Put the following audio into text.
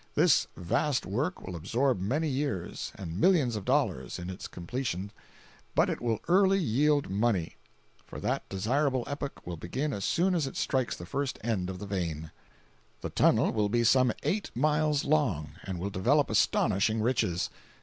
This vast work will absorb many years, and millions of dollars, in its completion; but it will early yield money, for that desirable epoch will begin as soon as it strikes the first end of the vein. The tunnel will be some eight miles long, and will develop astonishing riches.